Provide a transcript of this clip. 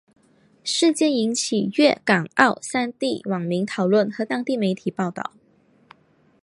事件引起粤港澳三地网民讨论和当地媒体报导。